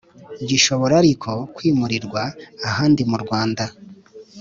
Gishobora ariko kwimurirwa ahandi mu Rwanda